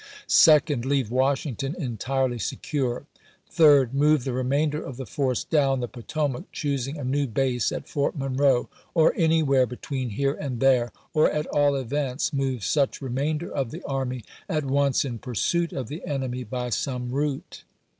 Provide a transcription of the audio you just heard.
Second. Leave Washington en tirely secure. Third. Move the remainder of the force down the Potomac, choosing a new base at Fort Monroe, or anywhere between here and there, or, at all events, move such remainder of the army at once in pursuit of the enemy by some route."